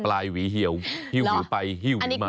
หวีเหี่ยวหิ้วหวิวไปหิ้วหวีมา